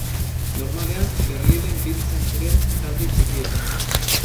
Normalean, Berlinen biltzen ziren, talde txikietan.